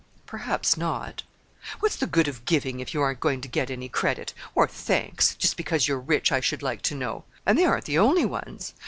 "Perhaps not." "What's the good of giving, if you aren't going to get any credit, or thanks, just because you're rich, I should like to know? And they aren't the only ones.